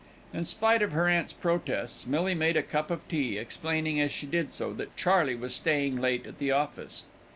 In spite of her aunt's protests, Millie made a cup of tea, explaining as she did so that Charley was staying late at the office.